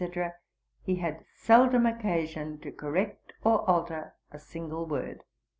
he had seldom occasion to correct or alter a single word.'